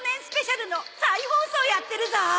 スペシャルの再放送やってるぞ！